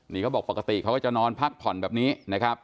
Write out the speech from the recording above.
นี่เขาบอกปกติเขาก็จะนอนพักผ่อนแบบนี้นะครับ